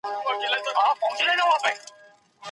که څوک نه پوهېږي؟ زه مرسته ورسره کوم.